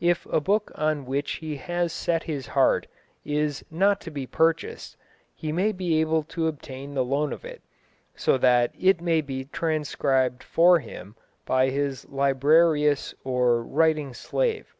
If a book on which he has set his heart is not to be purchased, he may be able to obtain the loan of it, so that it may be transcribed for him by his librarius or writing slave.